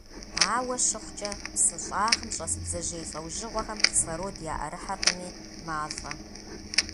Ауэ щыхъукӀэ, псы щӀагъым щӀэс бдзэжьей лӀэужьыгъуэхэм кислород яӀэрыхьэркъыми, малӀэ.